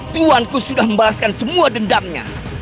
tuhanku sudah membahaskan semua dendamnya